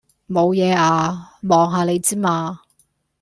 無野呀！望下你之嘛。